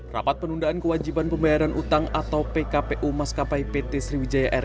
rapat penundaan kewajiban pembayaran utang atau pkpu maskapai pt sriwijaya air